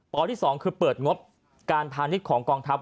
ที่๒คือเปิดงบการพาณิชย์ของกองทัพ